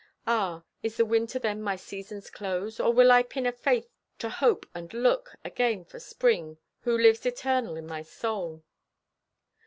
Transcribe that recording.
Ah, is the winter then my season's close? Or will I pin a faith to hope and look Again for spring, who lives eternal in my soul?